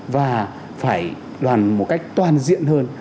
và phải đoàn một cách toàn diện hơn